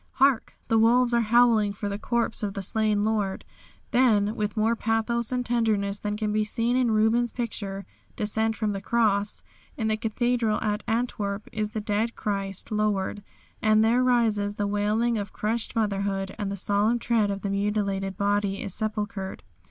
Hark! The wolves are howling for the corpse of the slain Lord. Then, with more pathos and tenderness than can be seen in Rubens' picture, "Descent from the Cross," in the cathedral at Antwerp, is the dead Christ lowered, and there rises the wailing of crushed motherhood, and with solemn tread the mutilated body is sepulchred.